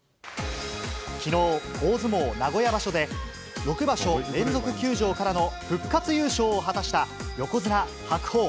きのう、大相撲名古屋場所で、６場所連続休場からの復活優勝を果たした、横綱・白鵬。